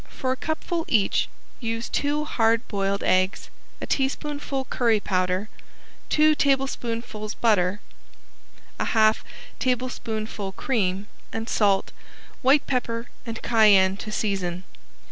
For a cupful each use two hard boiled eggs, a teaspoonful curry powder, two tablespoonfuls butter, a half tablespoonful cream, and salt, white pepper and cayenne to season.